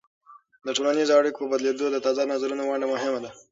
د ټولنیزو اړیکو په بدلیدو کې د تازه نظریو ونډه مهمه ده.